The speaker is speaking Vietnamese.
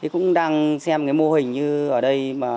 cũng đang xem mô hình như ở đây